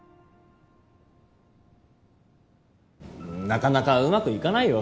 なかなかうまくいかないよ